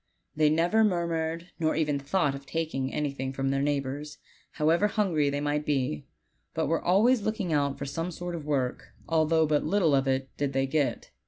They never murmured, nor ever thought of taking any thing from their neighbors, however hungry they might be, but were always looking out for some sort of work, although but little of that did they get.